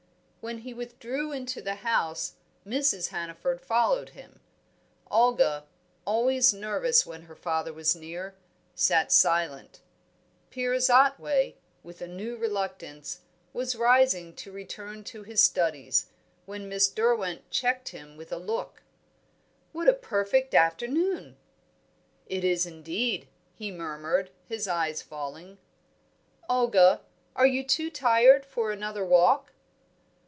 When he withdrew into the house, Mrs. Hannaford followed him. Olga, always nervous when her father was near, sat silent. Piers Otway, with a new reluctance, was rising to return to his studies, when Miss Derwent checked him with a look. "What a perfect afternoon!" "It is, indeed," he murmured, his eyes falling. "Olga, are you too tired for another walk?"